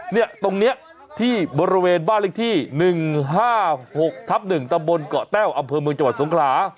เนี่ยตรงนี้ที่บริเวณบ้านเลขที่๑๕๖ทับ๑ตำบลเกาะแต้วอำเภอเมืองจังหวัดสงขลา